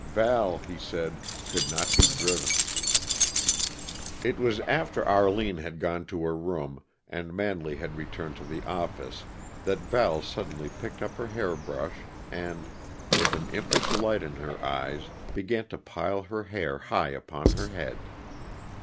Val, he said, could not be driven. It was after Arline had gone to her room and Manley had returned to the "office" that Val suddenly picked up her hairbrush and, with an impish light in her eyes, began to pile her hair high upon her head.